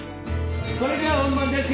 それでは本番です。